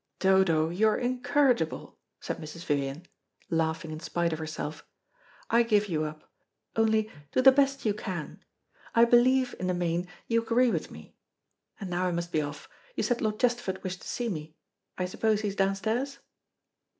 "Dodo, you are incorrigible," said Mrs. Vivian, laughing in spite of herself. "I give you up only, do the best you can. I believe, in the main, you agree with me. And now I must be off. You said Lord Chesterford wished to see me. I suppose he is downstairs."